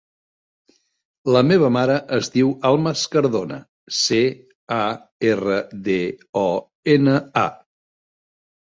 La meva mare es diu Almas Cardona: ce, a, erra, de, o, ena, a.